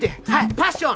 パッション！